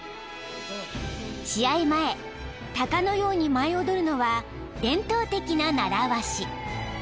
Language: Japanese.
［試合前タカのように舞い踊るのは伝統的な習わし］